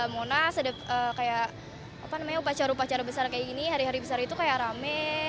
monas ada kayak apa namanya upacara upacara besar kayak gini hari hari besar itu kayak rame